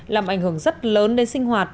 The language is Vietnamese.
làm ảnh hưởng rất lớn đến sinh hoạt